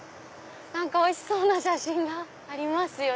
おいしそうな写真がありますよ